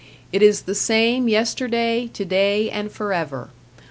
It is the same yesterday, today and forever.